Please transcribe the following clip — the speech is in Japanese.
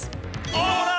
どうだ？